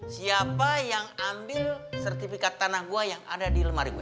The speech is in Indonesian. siapa yang ambil sertifikat tanah gua yang ada di lemari gue